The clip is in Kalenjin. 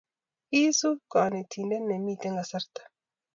Kiisu konetinte ne miten kasarta.